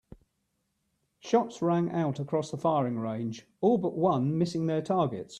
Shots rang out across the firing range, all but one missing their targets.